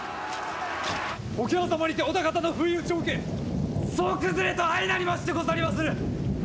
桶狭間にて織田方の不意打ちを受け総崩れと相なりましてござりまする！